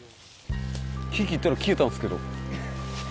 木切ったら消えたんですけど。